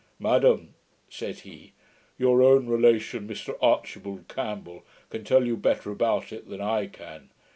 'Madam,' said he, 'your own relation, Mr Archibald Campbell, can tell you better about it than I can.